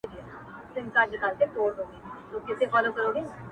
وروڼه له وروڼو څخه بیریږي-